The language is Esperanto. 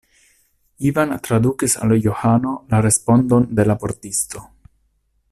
Ivan tradukis al Johano la respondon de la pordisto.